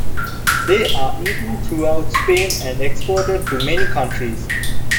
They are eaten throughout Spain and exported to many countries.